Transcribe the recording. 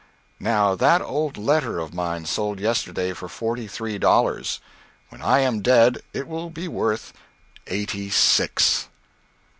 Now that old letter of mine sold yesterday for forty three dollars. When I am dead it will be worth eighty six.